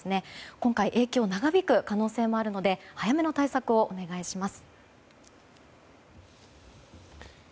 今回、影響が長引く可能性もあるので早めの対策をお願いします。